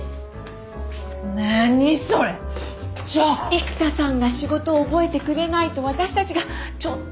育田さんが仕事覚えてくれないと私たちがちょっと困るの。